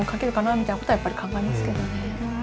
みたいなことはやっぱり考えますけどね。